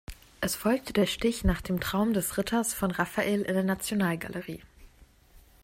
Es folgte der Stich nach dem Traum des Ritters von Raffael in der Nationalgalerie.